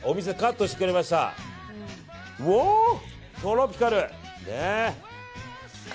トロピカル！